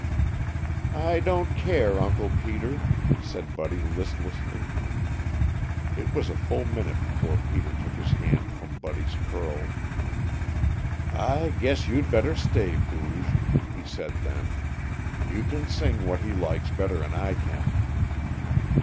"I don't care, Uncle Peter," said Buddy listlessly. It was a full minute before Peter took his hand from Buddy's curls. "I guess you'd better stay, Booge," he said then. "You can sing what he likes better'n I can."